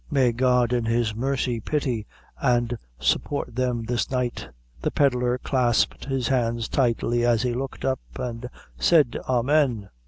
May God in his mercy pity an' support them this night!" The pedlar clasped his hands tightly as he looked up, and said "Amen!"